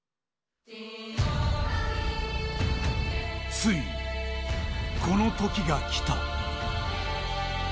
ついにこのときが来た。